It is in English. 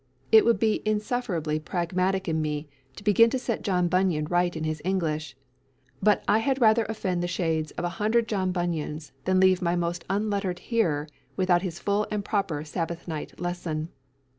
It would be insufferably pragmatic in me to begin to set John Bunyan right in his English; but I had rather offend the shades of a hundred John Bunyans than leave my most unlettered hearer without his full and proper Sabbath night lesson.